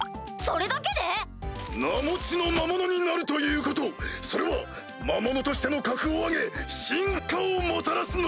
それだけで⁉名持ちの魔物になるということそれは魔物としての格を上げ進化をもたらすのです！